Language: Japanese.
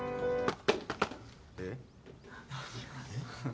えっ？